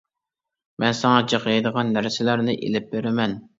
مەن ساڭا جىق يەيدىغان نەرسىلەرنى ئىلىپ بىرىمەن.